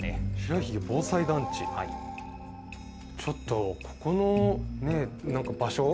ちょっとここのね場所